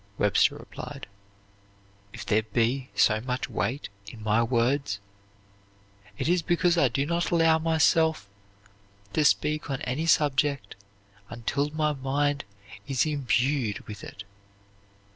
Webster replied, "If there be so much weight in my words, it is because I do not allow myself to speak on any subject until my mind is imbued with it."